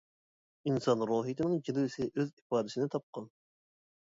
ئىنسان روھىيىتىنىڭ جىلۋىسى ئۆز ئىپادىسىنى تاپقان.